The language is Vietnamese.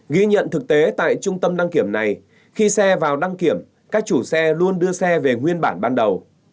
ghi nhận thực tế tại trung tâm đăng kiểm này khi xe vào đăng kiểm các chủ xe luôn đưa xe về nguyên bản ban đầu